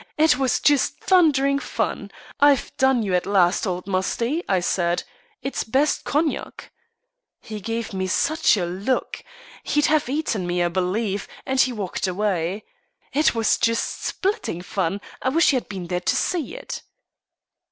It was just thundering fun. 'I've done you at last, old Musty,' I said. 'It is best cognac.' He gave me such a look! He'd have eaten me, I believe and he walked away. It was just splitting fun. I wish you had been there to see it."